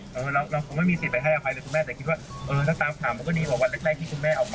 เราคงไม่มีสิทธิ์ไปให้อภัยเลยคุณแม่แต่คิดว่าเออถ้าตามข่าวมันก็ดีกว่าวันแรกที่คุณแม่ออกมา